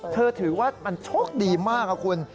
เธอถือว่ามันโชคดีมากนะคุณ